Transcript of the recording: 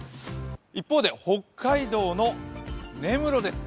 一方で北海道の根室です。